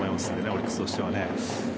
オリックスとしてはね。